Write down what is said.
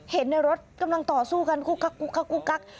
เห็นในรถกำลังต่อสู้กันกุ๊กกัก